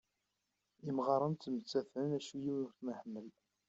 Imɣaren ttmettaten acku yiwen ur ten-iḥemmel..